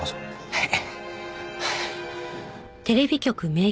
はい。